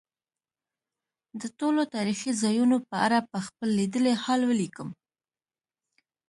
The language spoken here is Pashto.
د ټولو تاریخي ځایونو په اړه به خپل لیدلی حال ولیکم.